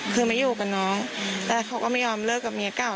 คือมาอยู่กับน้องแต่เขาก็ไม่ยอมเลิกกับเมียเก่า